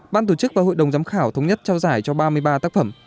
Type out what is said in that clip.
ban tổ chức và hội đồng giám khảo thống nhất trao giải cho ba mươi ba tác phẩm